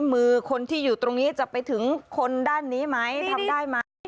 มือคนที่อยู่ตรงนี้จะไปถึงคนด้านนี้ไหมทำได้ไหม